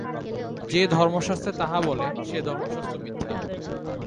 যে ধর্মশাস্ত্রে তাহা বলে, সে ধর্মশাস্ত্র মিথ্যা।